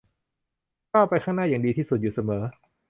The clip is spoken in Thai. ก้าวไปข้างหน้าอย่างดีที่สุดอยู่เสมอ